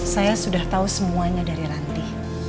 saya sudah tahu semuanya dari ranti